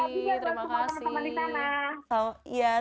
sehat juga buat semua teman teman di sana